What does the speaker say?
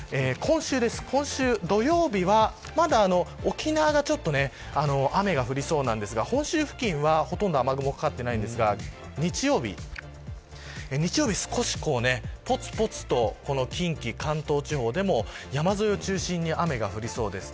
今週土曜日はまだ沖縄がちょっと雨が降りそうなんですが本州付近はほとんど雨雲がかかっていないんですが日曜日、少しぽつぽつと近畿、関東地方でも山沿いを中心に雨が降りそうです。